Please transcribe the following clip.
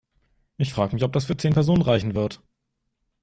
Ich frag' mich, ob das für zehn Personen reichen wird!?